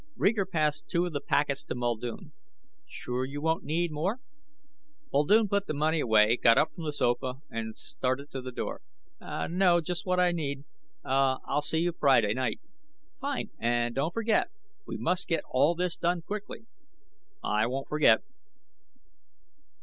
Reeger passed two of the packets to Muldoon. "Sure you won't need more?" Muldoon put the money away, got up from the sofa, and started to the door. "No. Just what I need. Uh, I'll see you Friday night." "Fine! And don't forget. We must get all this done quickly." "I won't forget."